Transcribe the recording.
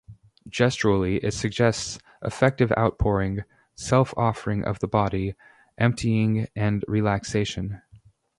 Gesturally, it suggests 'affective outpouring', 'self-offering of the body', 'emptying and relaxation'.